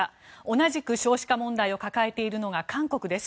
同じく少子化問題を抱えるのが韓国です。